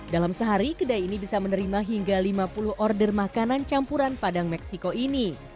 dalam sehari kedai ini bisa menerima hingga lima puluh order makanan campuran padang meksiko ini